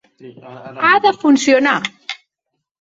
Ha de funcionar.